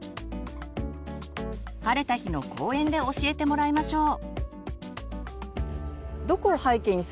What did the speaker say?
晴れた日の公園で教えてもらいましょう。